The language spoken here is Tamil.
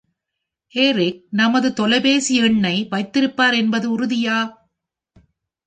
Erik நமது தொலைபேசி எண்ணை வைத்திருப்பார் என்பது உறுதியா?.